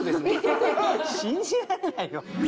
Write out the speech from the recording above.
信じられないよ。